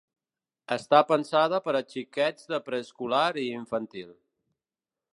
Està pensada per a xiquets de preescolar i infantil.